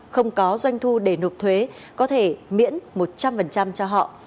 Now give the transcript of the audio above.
không có doanh thu để nộp thuế có thể miễn một trăm linh cho họ